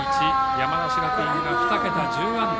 山梨学院が２桁１０安打。